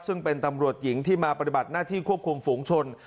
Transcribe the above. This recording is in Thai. ซึ่งเป็นตำรวจหญิงที่มาปฏิบัติหน้าที่ควบคุมฝูงชน